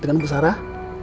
dengan bu sarah